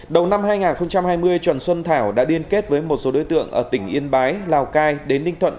đầu năm hai nghìn hai mươi trần xuân thảo đã liên kết với một số đối tượng ở tỉnh yên bái lào cai đến ninh thuận